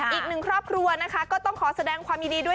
อีกหนึ่งครอบครัวนะคะก็ต้องขอแสดงความยินดีด้วย